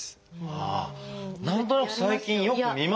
ああ何となく最近よく見ますね。